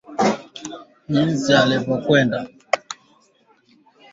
jinsi ya kuchemsha viazi lishe